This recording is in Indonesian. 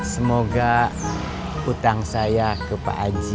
semoga utang saya ke pak aji